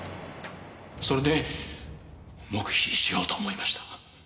それで黙秘しようと思いました。